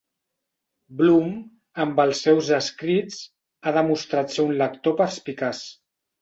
Bloom, amb els seus escrits, ha demostrat ser un lector perspicaç.